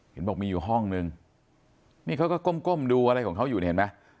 เห็นบอกมีอยู่ห้องนึงนี่เขาก็ก้มดูอะไรของเขาอยู่เนี่ยเห็นไหม